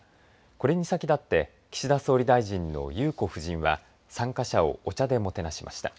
これに先立って岸田総理大臣の裕子夫人は参加者をお茶でもてなしました。